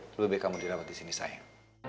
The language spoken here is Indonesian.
lebih baik kamu dirawat disini sayang